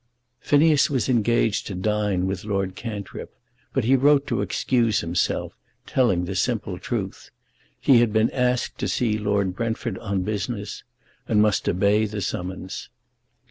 Phineas was engaged to dine with Lord Cantrip; but he wrote to excuse himself, telling the simple truth. He had been asked to see Lord Brentford on business, and must obey the summons.